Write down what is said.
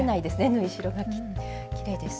縫い代がきれいです。